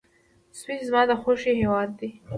سویس زما د خوښي هېواد دی.